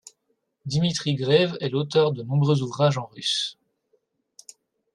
Dimitri Grave est l'auteur de nombreux ouvrages en russe.